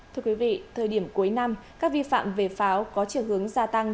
thưa quý vị thời điểm cuối năm các vi phạm về pháo có chiều hướng gia tăng